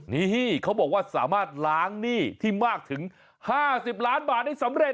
นี่เขาบอกว่าสามารถล้างหนี้ที่มากถึง๕๐ล้านบาทได้สำเร็จ